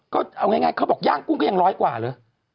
ก็เอาง่ายเขาบอกย่างกุ้งก็ยังร้อยกว่าเลย